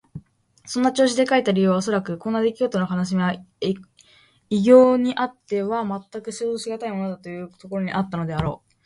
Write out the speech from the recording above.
そんな調子で書いた理由はおそらく、こんなできごとの悲しみは異郷にあってはまったく想像しがたいものだ、というところにあったのであろう。